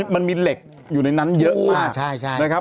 มันมีเหล็กอยู่ในนั้นเยอะมากนะครับ